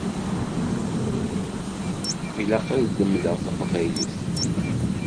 Ilaq ad lemdeɣ taqbaylit.